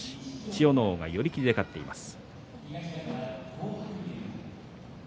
千代ノ皇が寄り切りで勝っています。